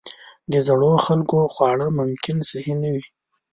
د زړو خلکو خواړه ممکن صحي نه وي.